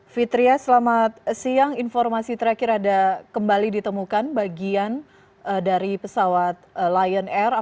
fitriah selamat siang informasi terakhir ada kembali ditemukan bagian jict pelabuhan tanjung priok jakarta